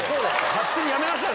勝手にやめなさい。